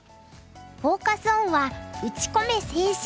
フォーカス・オンは「打ちこめ青春！